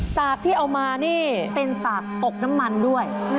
ที่เอามานี่เป็นสากอกน้ำมันด้วย